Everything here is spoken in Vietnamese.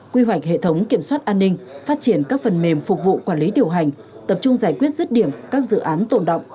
quy hoạch hệ thống kiểm soát an ninh phát triển các phần mềm phục vụ quản lý điều hành tập trung giải quyết rứt điểm các dự án tổn động